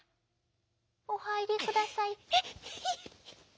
「おはいりください」。